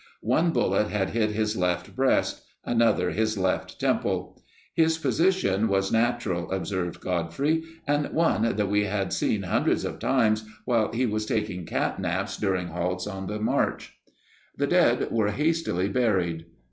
One bullet had hit his left breast, another his left temple. "His position was natural," observed Godfrey, "and one that we had seen hundreds of times while [he was] taking cat naps during halts on the march." The dead were hastily buried.